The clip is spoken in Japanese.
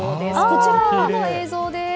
こちら今の映像です。